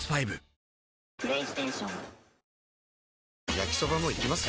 焼きソバもいきます？